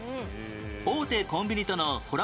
大手コンビニとのコラボ